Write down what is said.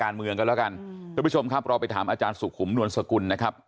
การเมืองกันแล้วกันทุกผู้ชมครับเราไปถามอาจารย์สุขุมนวลสกุลนะครับ